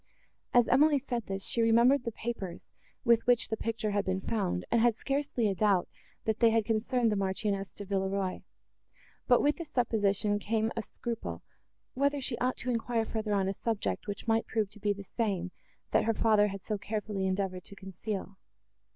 As Emily said this, she remembered the papers, with which the picture had been found, and had scarcely a doubt, that they had concerned the Marchioness de Villeroi; but with this supposition came a scruple, whether she ought to enquire further on a subject, which might prove to be the same, that her father had so carefully endeavoured to conceal.